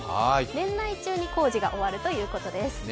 年内中に工事が終わるそうです。